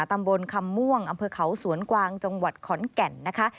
ตำบลคำม่วงอำเภอเขาสวนกวางจังหวัดขอนแก่นนะคะ